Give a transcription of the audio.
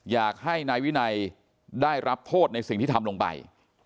อยากให้นายวินัยได้รับโทษในสิ่งที่ทำลงไป